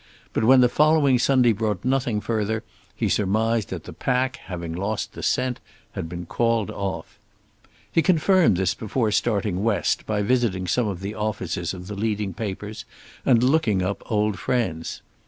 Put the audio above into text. But when the following Sunday brought nothing further he surmised that the pack, having lost the scent, had been called off. He confirmed this before starting West by visiting some of the offices of the leading papers and looking up old friends.